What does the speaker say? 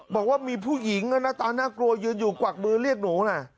บอกว่ามีผู้หญิงหน้าตาน่ากลัวยืนอยู่กวักมือเรียกหนูนะ